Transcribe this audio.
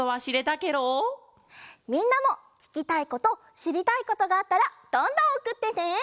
みんなもききたいことしりたいことがあったらどんどんおくってね！